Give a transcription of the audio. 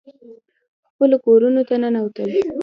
خپلو کورونو ته ننوتل.